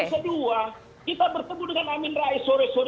yang kedua kita bertemu dengan amin rais sore sore